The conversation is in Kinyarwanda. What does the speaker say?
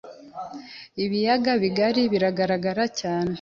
Ibiyaga bibiri biragaragara cyane